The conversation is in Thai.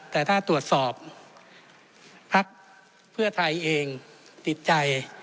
แต่ถ้าตรวจสอบพักเพื่อไทยเองติดใจ